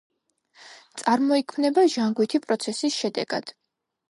წარმოიქმნება ჟანგვითი პროცესის შედეგად.